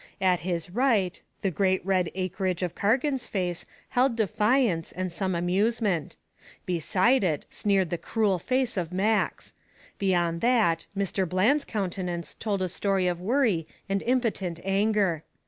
At his right the great red acreage of Cargan's face held defiance and some amusement; beside it sneered the cruel face of Max; beyond that Mr. Bland's countenance told a story of worry and impotent anger.